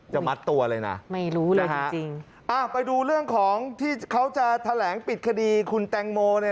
จะมัดตัวเลยนะนะฮะไปดูเรื่องของที่เขาจะแถลงปิดคดีคุณแตงโม